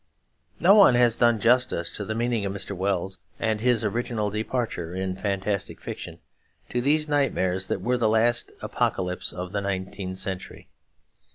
No one has done justice to the meaning of Mr. Wells and his original departure in fantastic fiction; to these nightmares that were the last apocalypse of the nineteenth century.